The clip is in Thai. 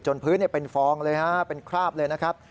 พื้นเป็นฟองเลยฮะเป็นคราบเลยนะครับ